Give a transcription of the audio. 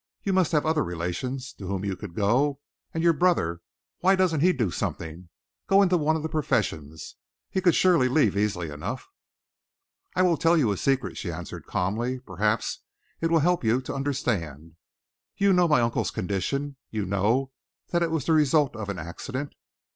"You must have other relations to whom you could go. And your brother why doesn't he do something go into one of the professions? He could surely leave easily enough?" "I will tell you a secret," she answered calmly. "Perhaps it will help you to understand. You know my uncle's condition. You know that it was the result of an accident?"